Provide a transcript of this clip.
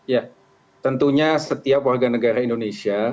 ya tentunya setiap warga negara indonesia